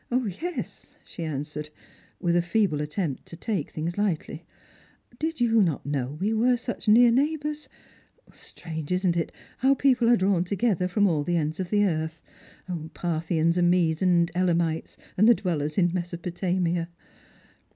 " Yes," she answered, with a feeble attempt to take things lightly. "Did you not know we were such near neighbours? Strange, isn't it, how people are drawn together from all the ends of the earth, Parthians and Medes and Elamites, and the dwellers in Mesopotamia?